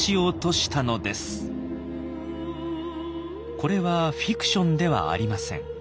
これはフィクションではありません。